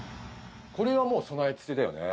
これはもう備え付けだよね。